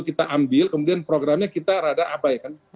kita ambil kemudian programnya kita rada abai kan